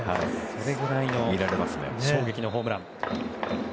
それぐらいの衝撃のホームラン。